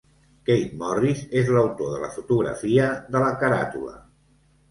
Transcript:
Keith Morris és l'autor de la fotografia de la caràtula.